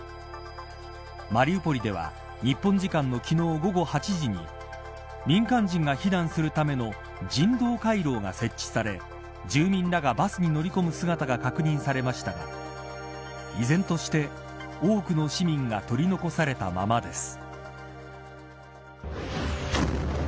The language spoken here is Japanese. マリウポリでは日本を時間の昨日午後８時に民間人が避難するための人道回廊が設置され住民らがバスに乗り込む姿が確認されましたが依然として、多くの市民が取り残されたままです。